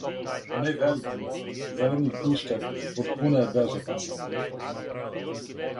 Onaj veliki, zeleni gušter potpuno je bezopasan.